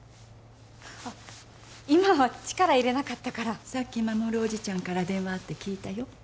今は力入れなかったからさっき守おじちゃんから電話あって聞いたよ？